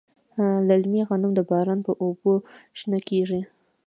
للمي غنم د باران په اوبو شنه کیږي.